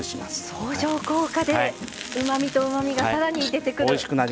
相乗効果でうまみとうまみがさらに出てくる。